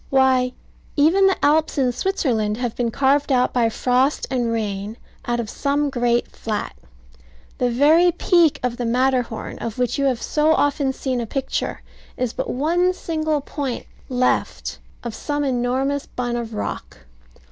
Why, even the Alps in Switzerland have been carved out by frost and rain, out of some great flat. The very peak of the Matterhorn, of which you have so often seen a picture, is but one single point left of some enormous bun of rock.